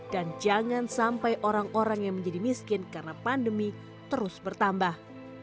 dan jangan sampai orang orang yang menjadi miskin karena pandemi terus bertambah